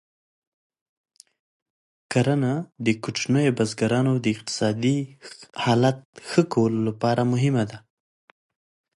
کرنه د کوچنیو بزګرانو د اقتصادي حالت ښه کولو لپاره مهمه ده.